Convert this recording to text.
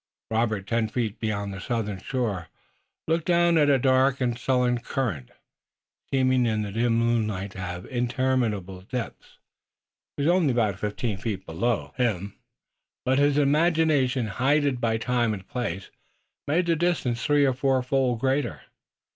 Robert, ten feet beyond the southern shore, looked down at a dark and sullen current, seeming in the dim moonlight to have interminable depths. It was only about fifteen feet below him, but his imagination, heightened by time and place, made the distance three or fourfold greater.